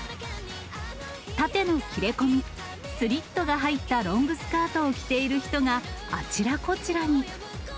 縦の切れ込み、スリットが入ったロングスカートを着ている人があちらこちらに。